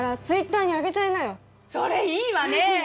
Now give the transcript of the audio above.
それいいわね！